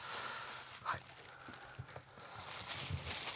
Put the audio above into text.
はい。